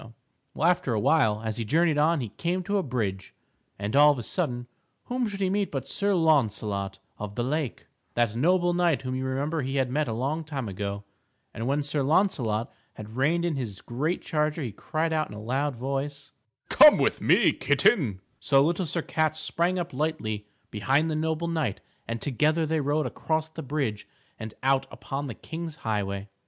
Well, after a while, as he journeyed on he came to a bridge, and, all of a sudden, whom should he meet but Sir Launcelot of the Lake, that noble knight whom you remember he had met a long time ago. And when Sir Launcelot had reined in his great charger he cried out in a loud voice: [Illustration: LITTLE SIR CAT AND MARY IN THE GARDEN] "Come with me, Kitten!" So Little Sir Cat sprang up lightly behind the noble knight and together they rode across the bridge and out upon the King's Highway.